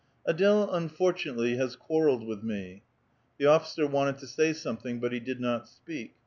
" Ad^le unfortunately has quarrelled with me." The officer wanted to say something, but he did not speak.